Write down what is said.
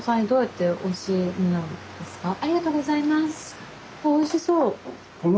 ありがとうございます！